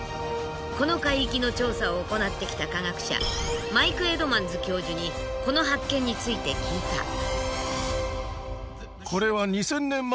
この海域の調査を行ってきた科学者マイク・エドマンズ教授にこの発見について聞いた。